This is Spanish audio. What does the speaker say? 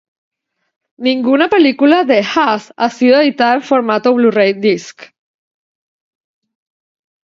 Ninguna película de Has ha sido editada en formato Blu-ray Disc.